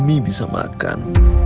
demi bisa makan